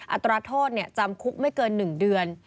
อัตราโทษจำคุกไม่เกิน๑เดือน